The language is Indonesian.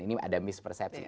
ini ada mispersepsi